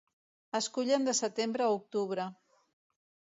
Es cullen de setembre a octubre.